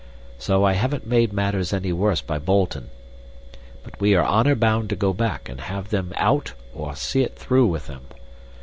So I haven't made matters any worse by boltin'. But we are honor bound to go back and have them out or see it through with them.